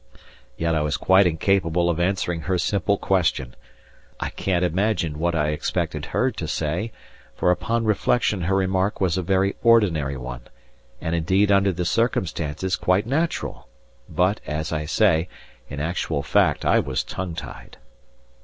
Yet I was quite incapable of answering her simple question! I can't imagine what I expected her to say, for upon reflection her remark was a very ordinary one, and indeed under the circumstances quite natural, but, as I say, in actual fact I was tongue tied.